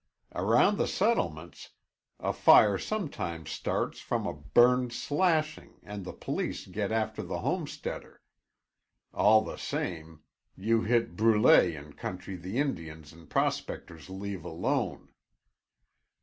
"Around the settlements, a fire sometimes starts from a burned slashing and the police get after the homesteader. All the same, you hit brûlés in country the Indians and prospectors leave alone.